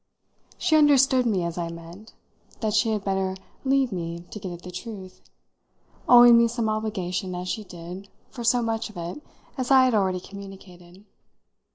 She understood me, as I meant, that she had better leave me to get at the truth owing me some obligation, as she did, for so much of it as I had already communicated.